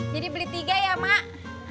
jadi beli tiga ya mak